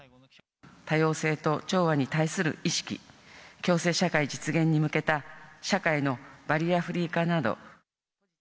多様性と調和に対する意識、共生社会実現に向けた、社会のバリアフリー化など。